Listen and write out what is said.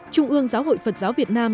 trung ương giáo hội phật giáo việt nam